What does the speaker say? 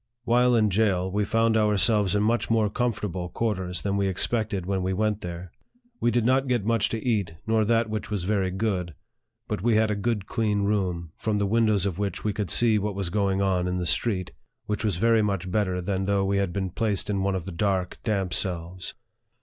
While in jail, we found ourselves in much more comfortable quarters than we expected when we went there. We did not get much to eat, nor that which was very good ; but we had a good clean room, from the windows of which we could see what was going on in the street, which was very much better than though we had been placed in one of the dark, damp cells.